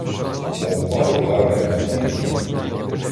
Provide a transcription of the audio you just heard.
Мов пару гарних дубівок.